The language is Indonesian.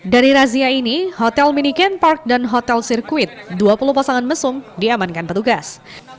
dari razia ini hotel mini ken park dan hotel sirkuit dua puluh pasangan mesum diamankan petugas